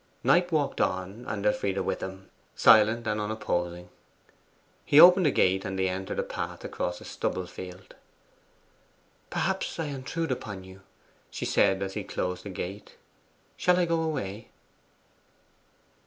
Knight walked on, and Elfride with him, silent and unopposing. He opened a gate, and they entered a path across a stubble field. 'Perhaps I intrude upon you?' she said as he closed the gate. 'Shall I go away?